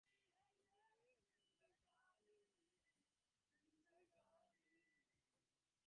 He rejected claims that India and Yugoslavia want to establish the third bloc.